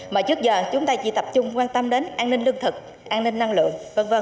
mà trước giờ chúng ta chỉ tập trung quan tâm đến an ninh lương thực an ninh năng lượng v v